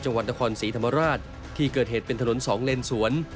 จังหวัดทหารสีธรรมราชที่จะเกิดเหตุเป็นถนน๒เลนส่วน